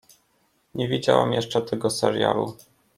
Nie widziałem jeszcze tego serialu.